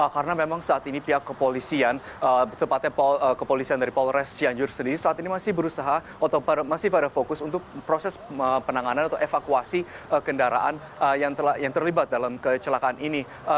karena memang saat ini pihak kepolisian tepatnya kepolisian dari polres cianjur sendiri saat ini masih berusaha masih pada fokus untuk proses penanganan atau evakuasi kendaraan yang terlibat dalam kecelakaan ini